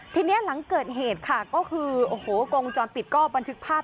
ทีนี้หลังเกิดเหตุค่ะก็คือโอ้โหกวงจรปิดก็บันทึกภาพ